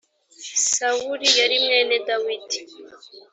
sawuli yari mwene dawidi.